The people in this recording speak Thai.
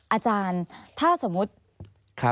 อาจารย์ถ้าสมมุติ